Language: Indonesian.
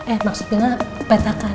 eh maksudnya petakan